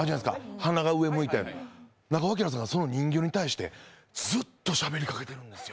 鼻が上向いてある中尾さんはその人形に対してずっとしゃべりかけてるんですよ。